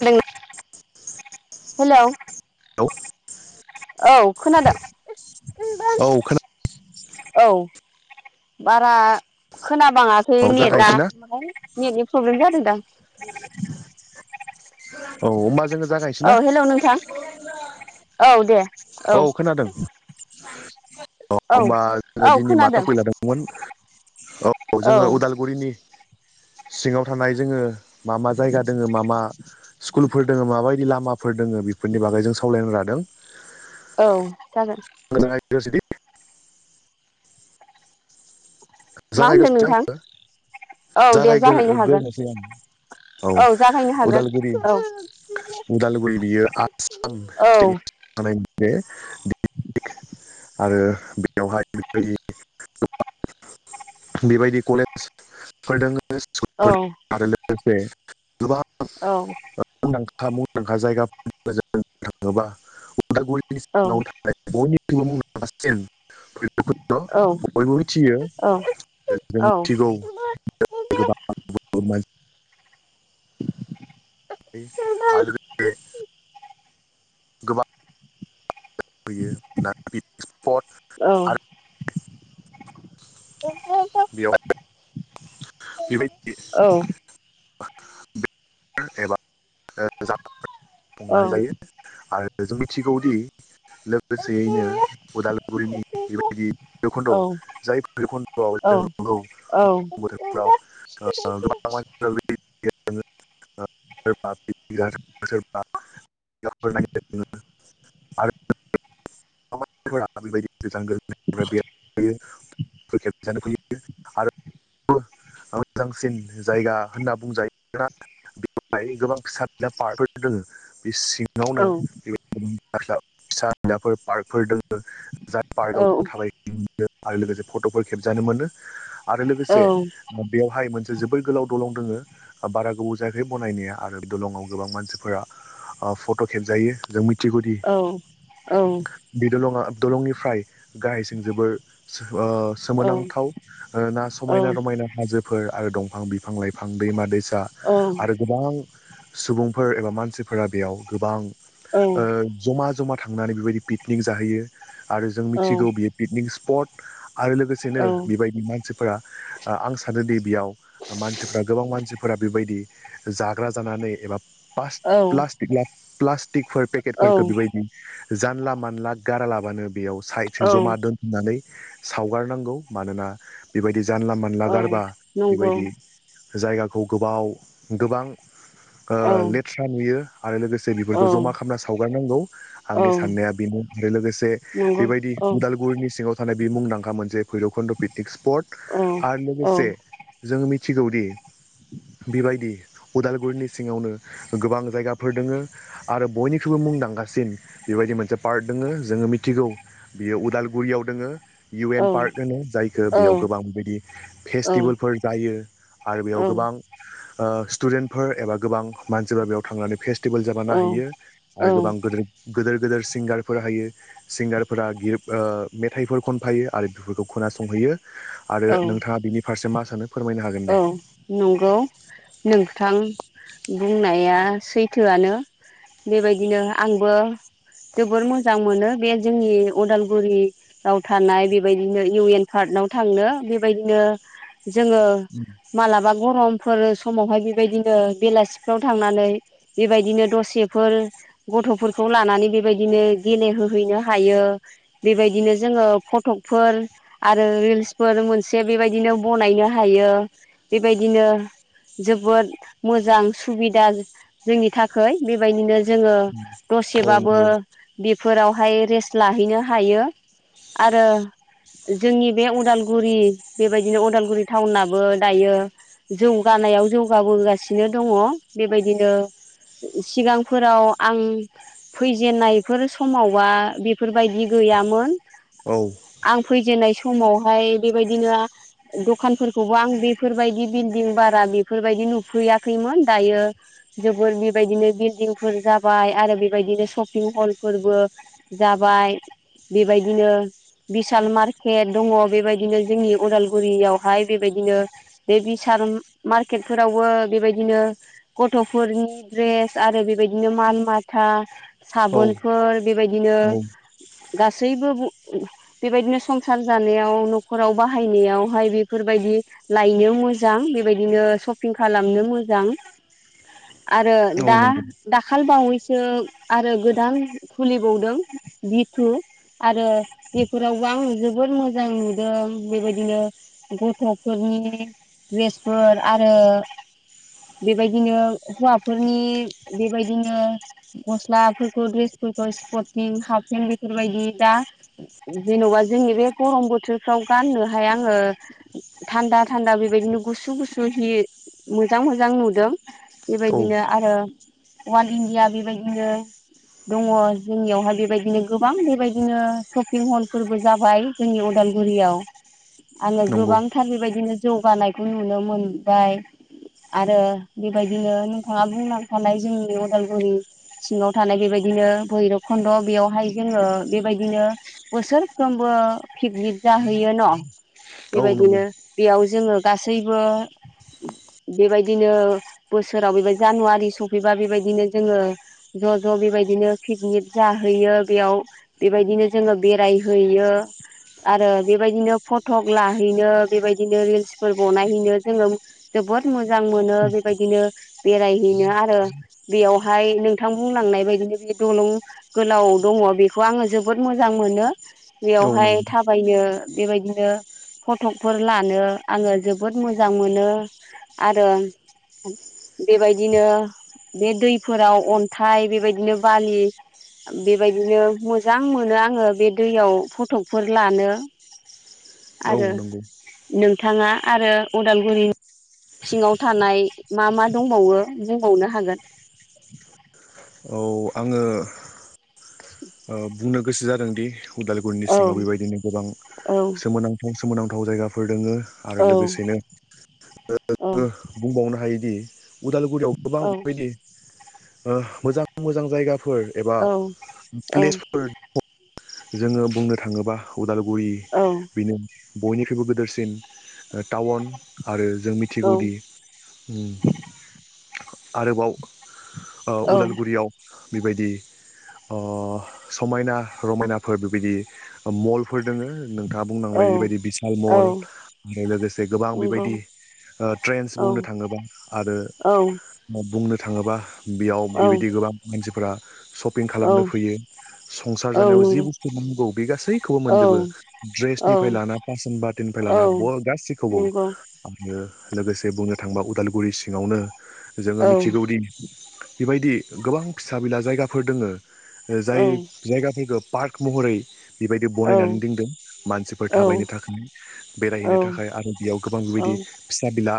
[unintelligible] Hello औ औ खोनादों। औ खोना औ बारा खोनाबाङाखै नेटा जागायनोसै ना नेटनि प्रब्लेम जादों दां। औ होमबा जोङो जागायनोसै औ ना हेल' नोथां। औ दे औ। खोनादों औ होमबा औ जोङो दिनै माथ' खोनादों फैलादोंमोन। औ जोङो उदालगुरिनि सिङाव थानाय जोङो। मा मा जायगा दोङो मा मा स्कुलफोर दोङो माबायदि लामा फोर दोङो बेफोरनि बागै जों सावरायनो लादों। औ जागोन [unintelligible] मा होनदों जागायगोरसै नोंथां आङो। औ दे जागायगो जागायनो हागोन गोरनोसै आं औ जागायनो हागोन उदालगुरि औ उदालगुरि बियो आसाम औ [unintelligible] नि थानाय। बे [unintelligible] आरो बेयावहाय [unintelligible] बेबायदि कलेजफोर दोङो औ स्कुलफोर दोंङो आरो लोगोसे। गोबां औ मुंदांखा मुंदांखा जायगा [unintelligible] थाङोबा उदालगुरिनि औ सिङाव थानाय बयनि औ [unintelligible] बयबो मिथियो औ जों औ मिथिगौ गोबां [unintelligible] [unintelligible] गोबां [unintelligible] पिकनिक स्पट औ आरो बेवहाय औ एबा [unintelligible] संनानै जायो आरो। जों मिथिगौदि लोगोसेयैनो उदालगुरिनि बेबायदि भैरखुन्द जाय भैरखुन्दआव औ [inaudible] बोथोरफ्राव गोबां मानसि फैयो [unintelligible] [unintelligible] आरो [unintelligible] बेबायदि गोजान गोजान [unintelligible] [unintelligible] आरो [unintelligible] मोजांसिन जायगा होनना बुंजायोब्ला बेवहाय गोबां फिसा फिला पार्कफोर दो सिङावनो बे [unintelligible] फिसािलाफोर पार्कफोर दङ जाय पार्कआव थाबायो आरो लोगोसे फट'फोर खेबजानो मोनो। आरो लोगोसे बेवहाय मोनसे जोबोर गोलाव दलं दोङो बारा गोबाव जायाखै बनायनाया आरो बे दलंआव गोबां मानसिफोरा फट' खेबजायो जों मिथिगौदि बिल' नङा। दलंनिफ्राय गाहायजों जोबोर ओ सोमोनांथाव ना औ समायना रमायना हाजोफोर आरो दंफां बिफां लाइफां दैमा दैसा औ आरो गोबां सुबुंफोर एबा मानसिफोरा बेयाव गोबां औ ओ जमा जमा थांनानै बेबायदि पिकनिक जाहैयो आरो जों मिथिगौ बियो पिकनिक स्पट आरो लोगोसेनो औ बेबायदि मानसिफोरा आं सानोदि बेयाव मानसिफोरा गोबां मानसिफोरा बेबायदि जाग्रा जानानै एबा औ [inaudible] टिकफोर पेकेटफोरखौ औ बेबायदि जानला मानला गारालाबानो बेयाव साइडजों औ जमा दोनथुमनानै। सावगारनांगौ मानोना बेबायदि जानला मानला औ गारबा नंगौ बेबायदि जायगाखौ गोबाव गोबां ओ औ लेथ्रा नुयो आरो लोगोसे औ बेफोरखौ जमा खालामना सावगारनांगौ औ आंनि साननाया बेनो आरो लोगोसे नंगौ बेबायदि औ उदालगुरिनि सिङाव थानाय बे मुंदांखा मोनसे भैरबकुन्द' पिकनिक स्पट औ आरो औ लोगोसे जोङो मिथिगौदि बेबायदि उदालगुरिनि सिङावनो गोबां जायगाफोर दोङो आरो बयनिख्रुबो मुंदांखा सिन बेबायदि मोनसे पार्क दङ जोङो मिथिगौ बियो उदालगुरियाव दोङो इउ एन पार्क होनो जायखौ बेयाव गोबां बेदि औ फेस्टिभेलफोर जायो आरो बेयाव गोबां ओ स्टुडेन्टफोर एबा गोबां मानसिफोरा बेयाव थांनानै फेस्टिभेल जाबानो नायहैयो आरो औ गोब गोदोर गेदोर सिंगारफोर हायो सिंगारफोरा गित ओ मे मेथाइफोर खन बफायो आरो बेफोरखौ खोनासंहैयो आरो औ नोंथाङा बिनि फारसे मा सानो फोरमायनो हागोन औ दे नंगौ नोंथां बुंनाया सैथोआनो बेबायदिनो आंबो जोबोर मोजां मोनो बे जोंनि अदालगुरियाव थानाय बेबायदिनो इउ एन पार्क थांनो बेबायदिनो जोङो मालाबा गरमफोर समावहाय बेबायदिनो बेलासिफ्राव थांनानै बेबायदिनो दसेफोर गथ'फोरखौ लानानै बेबायदिनो गेलेहोहैनो हायो बेबायदिनो जोङो फट' फटफोर आरो रिलसफोर मोनसे बेबादिनो बनायनो हायो बेबायदिनो जोबोद मोजां सुबिदा जोंनि थाखाय बेबायदिनो जोङो औ दसेबाबो नंगौ बेफोरावहाय रेस्ट लाहैनो हायो आरो जोंनि बे अदालगुरि बेबायदिनो अदालगुरि टाउनाबो दायो जौगानायाव जौगाबोगासिनो दङ बेबायदिनो सिगांफोराव आं फैजेनन्नायफोर समावबा बेफोरबायदि गैयामोन औ आं फैजेननाय समावहाय बेबायदिनो दखानफोरखौबो आं बेफोरबायदि बिल्डिं बारा बेफोरबायदि नुफैयाखैमोन दायो जोबोर बेबायदिनो बिल्डिंफोर जाबाय आरो बेबायदिनो सपिं हलफोरबो जाबाय बाय बेबायदिनो बिसाल मार्केट दङ बेबायदिनो जोंनि उदालगुरियावहाय बेबायदिनो बे बिसाल मार्केट फोरावबो बेबायदिनो गथ'फोरनि द्रेस आरो बेबायदि बिदिनो माल माथा औ साबोनफोर बेबायदिनो औ गासैबो बेबायदिनो संसार जानायाव न'खराव बाहायनायावहाय बेफोरबायदि लायनो मोजां बेबायदिनो सपिं खालामनो मोजां आरो औ दा नंगौ दाखाल बावै जों आरो गोदान फुलिबावदों बिथथु आरो बेफोरावबो आं जोबोद मोजां नुदों बेबायदिनो गथ'फोरनि द्रेसफोर आरो बेबायदिनो हौवाफोरनि बेबायदिनो गस्लाफोरखौ द्रेस [unintelligible] स्पर्टिं हाफपेन्ट बेफोरबायदि दा जेन'बा जोंनि बे गरम बोथोरफ्राव गानोहाय आंङो थानदा-थानदा बे- बेबायदिनो गुसु गुसु हि मोजां मोजां नुदों औ बेबायदिनो आरो [unintelligible] बेबायदिनो दङ जोंनियावहाय बेबायदिनो गोबां बेबायदिनो शपिं हलफोरबो जाबाय जोंनि अदाल उदालगुरियाव आङो नंगौ गोबांथार बेबायदिनो बानायखौ नुनो मोनबाय आरो बेबायदिनो नोंथाङा बुं [unintelligible] जोंनि उदालगुरि सिङाव थानाय बेबायदिनो भैरब खुन्द' बेयावहाय जोङो बेबायदिनो बोसोरफ्रोमबो पिकनिक जाहैयो ना औ नंगौ बेबायदिनो बेयाव जोङो गासैबो बेबायदिनो बोसोराव बेदि जानुवारि सफैबा बेबायदिनो जोङो ज' ज' बेबायदिनो पिकनिक जाहैयो बेयाव बेबायदिनो जोङो बेरायहैयो आरो बेबायदिनो फटक लाहैनो बेबायदिनो रिल्स फोर बनायहैनो जोङो जोबोद मोजां मोनो बेबायदिनो बेरायहैनो आरो बेयावहाय नोंथां बुंलांनाय बायदिनो बे दलं गोलाव दङ बेखौ आङो जोबोद मोजां मोनो औ बेयावहाय नंगौ थाबायनो बेबायदिनो फटकफोर लानो आङो जोबोद मोजां मोनो आरो आं बेबायदिनो बे दैफोराव अन्थाइ बेबायदिनो बालि बेबायदिनो मोजां मोनो आङो बे दैयाव फटकफोर लानो औ नंगौ बिथाङा आरो उदालगुरि सिङाव थानाय मा मा दंबावो बुंबावनो हागोन औ आङो ओ बुंनो गोसो जादोंदि उदालगुरिनि औ सिङाव बेबायदिनो गोबां औ सोमोनांथाव सो सोमोनांथाव जायगाफोर दोङो आरो औ लोगोसेनो औ बेबादिनो बुंबावनो हायोदि उदालगुरियाव गोबां औ बेबायदि ओ मोजां मोजां जायगा फोर एबा औ औ प्लेस जोङो बुंनो थाङोबा उदालगुरि बिनो बयनिख्रुइबो गिदोरसिन ओटाउन आरो जों औ मिथिगौदि उम आरोबाव ओ औ उदालगुरियाव बेबायदि अ समायना रमायना फोर बेदि मल फोर दोङो नोंथाङा बुंलांबाय बेबायदि बिसाल औ मल आरो लोगोसे गोबां बेबायदि ओ ट्रेन्स बुंनो नंगौ औ थाङोबा आरो औ बुंनो थाङोबा बेयाव बेबायदि गोबां मानसिफोरा शपिं औ खालामनो फैयो संसार नंगौ जानायाव जिबुस थु नांगौ बे गासैखौबो औ मोनजोबो औ ड्रेसनिफ्राय लाना पासन बातननिफ्राय लाना गासैखौबो उ नंगौ आङो लोगोसे बुंनो थाङोबा उदालगुरि सिङावनो जोङो मिथिगौदि बेबायदि गोबां फिसा बिला जायगाफोर दोङो जाय जायगाफोरखौ पार्क महरै बेबायदि औ बनायनानै दोनदों मानसिफोर औ थाबायनो थाखाय बेरायहैनो थाखाय आरो बेयाव गोबां बेबायदि फिसा बिला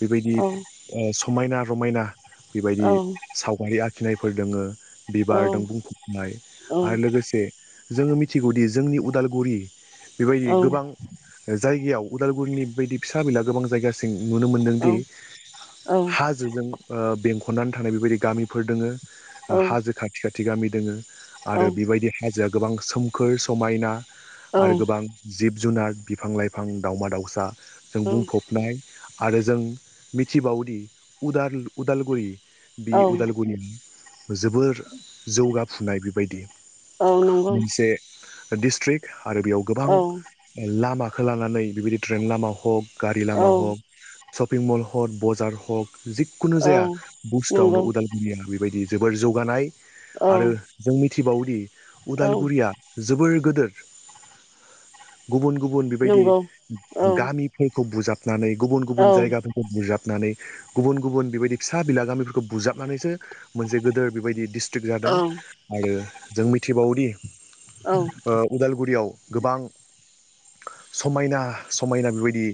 बेबायदि ओ स समायना रमायना बेबायदि सावगारि आखिनायफोर दोङो बिबार दं बुंफबनाय आरो लोगोसे जोङो मिथिगौदि जोंनि उदालगुरि बेबायदि गोबां जायगायाव उदालगुरिनि बेबायदि फिसा बिला गोबां जायगासिम नुनो मोनदोंदि हाजोजों ओ बेंखननानै थानाय बेबायदि गामिफोर दोङो हाजो खाथि खाथि गामि दोङो आरो बेबायदि हाजो गोबां सोमखोर समायना औ आरो गोबां जिब जुनार, बिफां लाइफां, दावउमा दावसा जों औ बुंफबनाय आरो जों मिथिबावोदि उदाल उदालगुरि बि औ उदालगुरि जोबोर जौगाफुनाय बेबायदि औ नंगौ मोनसे डिस्ट्रिक आरो बेयाव गोबां औ लामा खो लानानै बेबायदि ट्रेन लामा हक गारि औ लामा हक शपिं मल हक बजार हक औ जिखुनु जाया नंगौ बुस्थुआवनो उदालगुरिया बेबायदि जोबोर जौगानाय औ आरो जों मिथिबावोदि औ उदालगुरिया जोबोर गोदोर गुबुन गुबुन बेबायदि नंगौ औ गामिफोर खौ बुजाबनानै गुबुन औ गुबुन जायगाफोरखौ बुजाब नानै गुबुन गुबुन बेबायदि फिसा बिला गामिफोरखौ बुजाबनानैसो मोनसे गोदोर बेबायदि डिस सस्ट्रिक जादों औ आरो जों मिथिबावोदि ओ उदालगुरियाव गोबां समायना समायना बेबायदि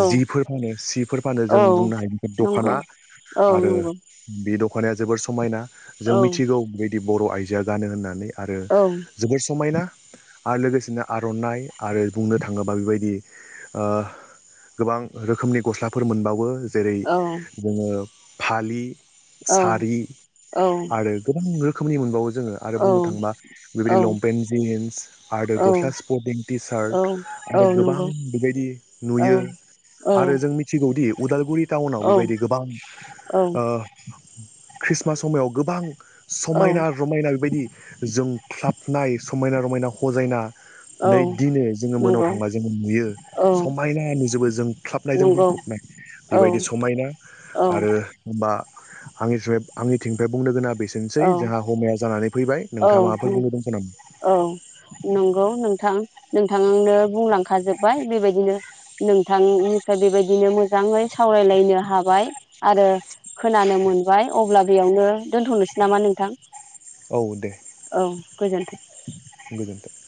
औ जिफोर फाऩो सिफोर फानो नंगौ औ जों बुंनो हायोदि नंगौ दखना औ आरो बे दख ख'नाया जोबोर समायना जों मिथिगौ बेबायदि बर' आइजोआ गानो होननानै आरो औ जोबोर समायना आरो लोगोसेनो आर'नाइ आरो बुंनो थाङोबा बेबायदि ओ गोबां रोखोमनि गसलाफोर मोनबावो औ जेरै नंगौ औ नंगौ औ नंगौ औ जोङो फालि औ सारि औ आरो गोबां रोखोमनि मोनबावो जोङो आरो बुंनो थांबा बेबायदि लंपेेन जिन्स आरो गस्ला स्पर्टिं टि सार्ट आरो गोबां बेबायदि नुयो आरो जों मिथिगौदि उदालगुरि टाउनाव बेबायदि गोबां ओ ख्रिस्टमास समायाव गोबां समायना रमायना बेबायदि जों ख्लाबनाय समायना रमायना हजायना नै दिनो जोङो मोनायाव थांबा जोङो नुयो समायना नुजोबो जों ख्लाबनायजों बुंफ बेबायदि समायना आरो हबा आंनिफ्राय आंनिथिंनिफ्राय बुंनो गोनाङा बेसेनोसै जोंहा हमाया जानानै फैबाय औ नोंथाङा माबाफोर बुंनो दंखो नामा औ नंगौ नोंथां नोंथांनो बुंलांखाजोब्बाय बेबायदिनो नोंथांनिफ्राय बेबायदिनो मोजां सावरायलायनो हाबाय आरो खोनानो मोनबाय अब्ला बेयावनो दोनथ'नोसै नामा नोंथां औ दे गोजोनथों गोजोनथों